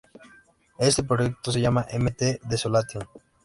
Este proyecto se llama "Mt. Desolation".